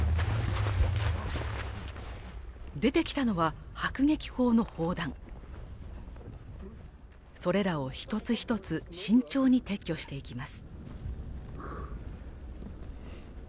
出てきたのは、迫撃砲の砲弾それらを一つ一つ慎重に撤去していきます。